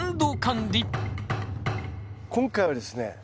今回はですね